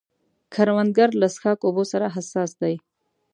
کروندګر له څښاک اوبو سره حساس دی